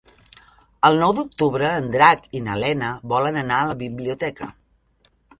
El nou d'octubre en Drac i na Lena volen anar a la biblioteca.